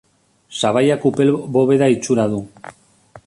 Sabaiak upel bobeda itxura du.